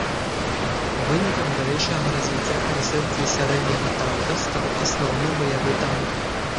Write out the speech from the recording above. Вынікам далейшага развіцця канцэпцыі сярэдняга танка стаў асноўны баявы танк.